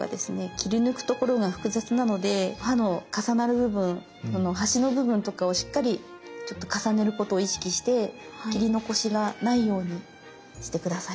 切り抜くところが複雑なので刃の重なる部分この端の部分とかをしっかり重ねることを意識して切り残しがないようにして下さい。